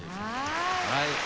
はい。